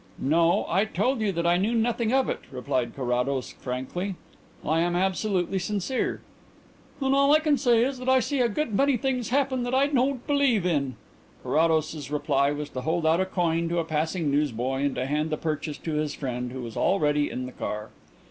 "No; I told you that I knew nothing of it," replied Carrados frankly. "I am absolutely sincere." "Then all I can say is, that I see a good many things happen that I don't believe in." Carrados's reply was to hold out a coin to a passing newsboy and to hand the purchase to his friend who was already in the car.